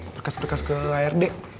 perkas perkas ke ard